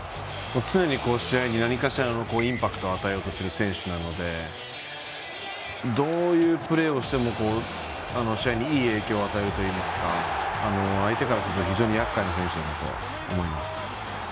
常に試合に何かしらのインパクトを与えようとしている選手なのでどういうプレーをしても試合にいい影響を与えるというか相手からすると非常にやっかいな選手だと思います。